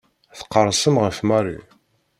Tqerrsem ɣef Mary.